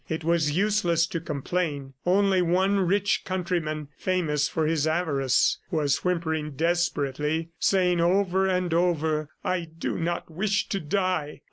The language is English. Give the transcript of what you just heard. It was useless to complain. Only one rich countryman, famous for his avarice, was whimpering desperately, saying over and over, "I do not wish to die.